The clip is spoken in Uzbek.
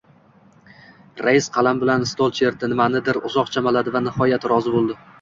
Rais qalam bilan stol chertdi, nimanidir uzoq chamaladi va nihoyat rozi boʻldi.